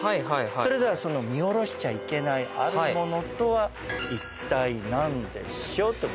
それではその見下ろしちゃいけないあるものとはいったい何でしょう？ってこと。